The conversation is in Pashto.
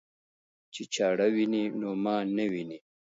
چې چاړه ويني نو ما نه ويني.